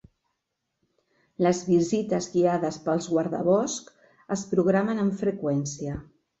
Les visites guiades pels guardaboscs es programen amb freqüència.